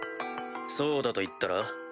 そうだと言ったら？